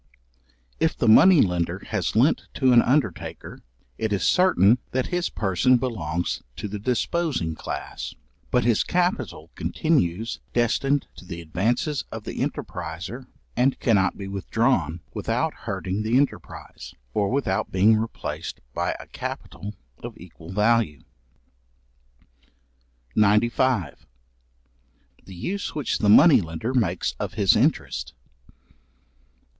If the money lender has lent to an undertaker, it is certain that his person belongs to the disposing class; but his capital continues destined to the advances of the enterpriser, and cannot be withdrawn without hurting the enterprise, or without being replaced by a capital of equal value. §95. The use which the money lender makes of his interest.